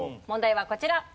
問題はこちら。